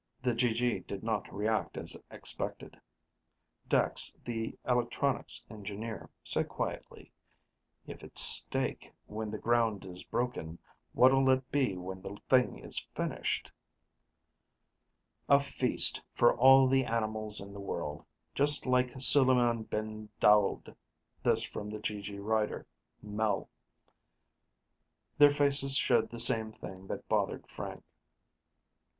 The GG did not react as expected. Dex, the electronics engineer, said quietly, "If it's steak when the ground is broken, what'll it be when the thing is finished?" "A feast, for all the animals in the world just like Suleiman bin Daoud." This, from the GG writer, Mel. Their faces showed the same thing that bothered Frank.